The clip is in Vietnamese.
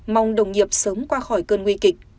mong đồng nghiệp sớm qua khỏi cơn nguy kịch